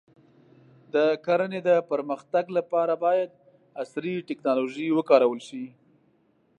د کرنې د پرمختګ لپاره باید عصري ټکنالوژي وکارول شي.